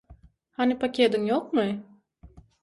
Hany pakediň ýokmy?